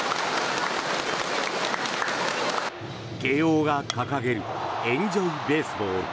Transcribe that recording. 慶応が掲げるエンジョイ・ベースボール。